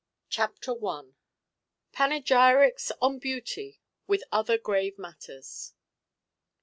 Chapter i. _Panegyrics on beauty, with other grave matters.